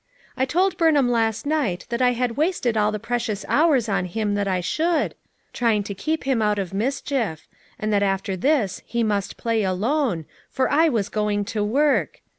I told Burnham last night that I had wasted all the precious hours on him that I should, trying to keep him out of mischief; and that after this he must play alone, for I was going to work.